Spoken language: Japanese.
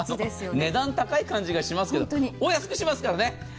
値段高い感じがしますがお安くしますからね。